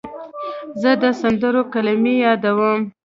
زه د سندرو کلمې یادوم.